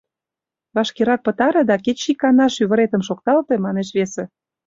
Вашкерак пытаре да кеч ик гана шӱвыретым шокталте, — манеш весе.